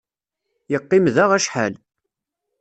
Yeqqim da acḥal.